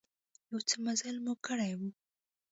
يو څه مزل مو کړى و.